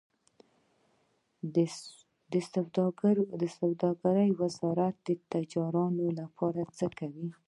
د سوداګرۍ وزارت د تجارانو لپاره څه کوي؟